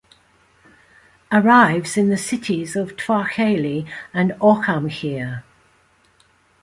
Arrives in the cities of Tkvarcheli and Ochamchire.